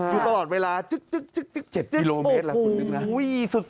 อยู่ตลอดเวลาจึ๊ก๗กิโลเมตรแล้วคุณนึกนะ